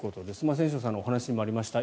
千正さんのお話にもありました